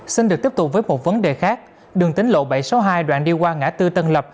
xin được tiếp tục với một vấn đề khác đường tính lộ bảy trăm sáu mươi hai đoạn đi qua ngã tư tân lập